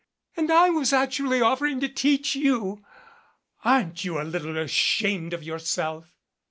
And I was actually offering to teach you! Aren't you a little ashamed of yourself?"